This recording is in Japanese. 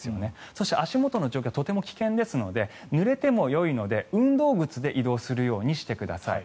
そして、足元の状況はとても危険ですのでぬれてもよいので運動靴で移動するようにしてください。